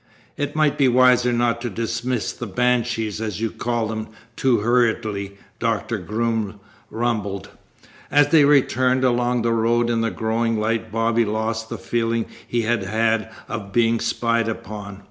"It might be wiser not to dismiss the banshees, as you call them, too hurriedly," Doctor Groom rumbled. As they returned along the road in the growing light Bobby lost the feeling he had had of being spied upon.